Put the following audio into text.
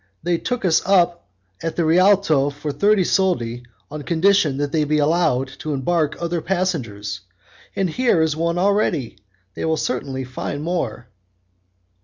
They took us up at the Rialto for thirty soldi, on condition that they would be allowed to embark other passengers, and here is one already; they will certainly find more."